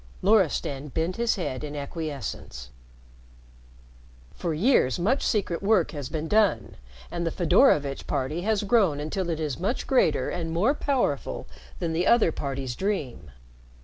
Loristan bent his head in acquiescence. "For years much secret work has been done, and the Fedorovitch party has grown until it is much greater and more powerful than the other parties dream.